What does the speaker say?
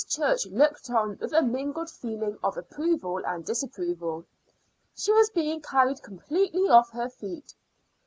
Church looked on with a mingled feeling of approval and disapproval. She was being carried completely off her feet.